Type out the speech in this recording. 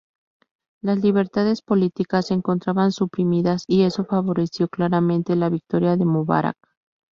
Las libertades políticas se encontraban suprimidas y eso favoreció claramente la victoria de Mubarak.